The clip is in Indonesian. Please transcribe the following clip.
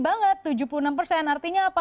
banget tujuh puluh enam persen artinya apa